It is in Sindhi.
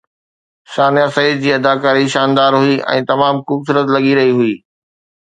ثانيه سعيد جي اداڪاري شاندار هئي ۽ تمام خوبصورت لڳي رهي هئي